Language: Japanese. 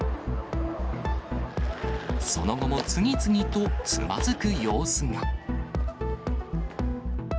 その後も次々とつまずく様子が。